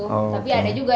tapi ada juga